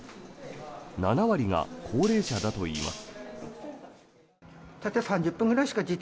７割が高齢者だといいます。